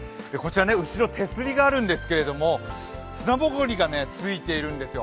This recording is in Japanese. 後ろ、手すりがあるんですけれども砂ぼこりがついているんですよ。